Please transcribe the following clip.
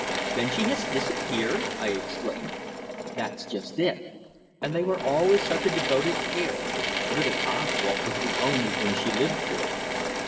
"Then she has disappeared!" I exclaimed. "That's just it. And they were always such a devoted pair. Little Oswald was the only thing she lived for."